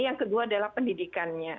yang kedua adalah pendidikannya